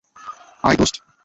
আয়, দোস্ত।